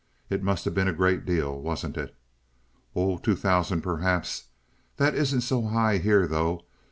"It must have been a great deal, wasn't it?" "Oh, two thousand dollars, perhaps. That isn't so high here, though.